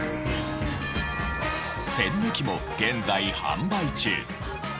栓抜きも現在販売中。